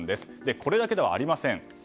これだけではありません。